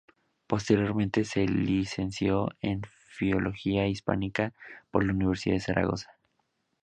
Posteriormente se licenció en Filología Hispánica por la Universidad de Zaragoza.